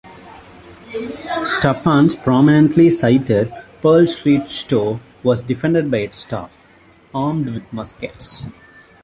Tappan's prominently sited Pearl Street store was defended by its staff, armed with muskets.